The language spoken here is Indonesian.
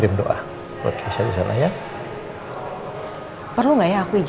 makasih ya kak